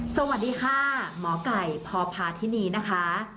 สวัสดีค่ะหมอไก่พพาธินีนะคะ